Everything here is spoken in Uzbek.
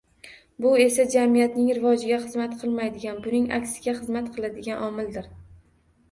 Bu esa jamiyatning rivojiga xizmat qilmaydigan, buning aksiga xizmat qiladigan omildir.